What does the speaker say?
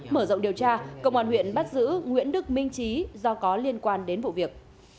mở rộng điều tra công an huyện bắt giữ nguyễn đức minh trí do có liên quan đến vụ việc